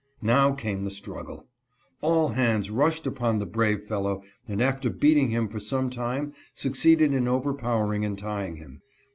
Now came the struggle. All hands rushed upon the brave fellow and after beating him for some time suc ceeded in overpowering and tying him.